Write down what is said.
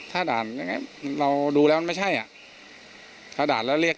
ถ้าด่านอย่างเงี้ยเราดูแล้วมันไม่ใช่อ่ะถ้าด่านแล้วเรียก